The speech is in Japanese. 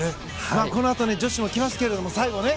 このあとに女子も来ますけど、最後ね。